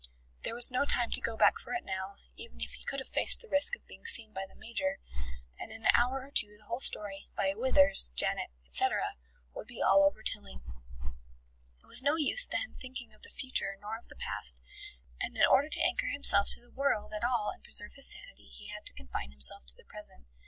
There was no time to go back for it now, even if he could have faced the risk of being seen by the Major, and in an hour or two the whole story, via Withers, Janet, etc., would be all over Tilling. It was no use then thinking of the future nor of the past, and in order to anchor himself to the world at all and preserve his sanity he had to confine himself to the present.